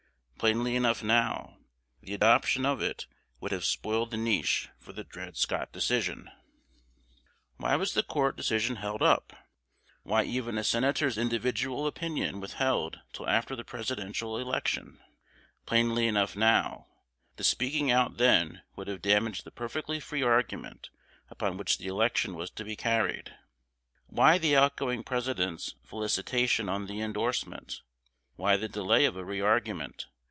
Plainly enough now: the adoption of it would have spoiled the niche for the Dred Scott Decision. Why was the court decision held up? Why even a senator's individual opinion withheld till after the Presidential election? Plainly enough now: the speaking out then would have damaged the "perfectly free" argument upon which the election was to be carried. Why the outgoing President's felicitation on the indorsement? Why the delay of a re argument?